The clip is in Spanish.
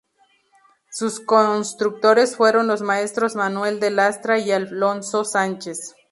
Sus constructores fueron los maestros Manuel de Lastra y Alonso Sánchez.